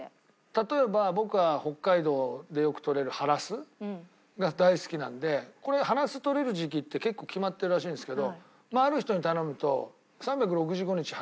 例えば僕は北海道でよくとれるハラスが大好きなんでこれハラスとれる時期って結構決まってるらしいんですけどある人に頼むと。